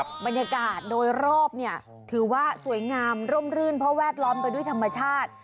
บรรยากาศโดยรอบเนี่ยถือว่าสวยงามร่มรื่นเพราะแวดล้อมไปด้วยธรรมชาติ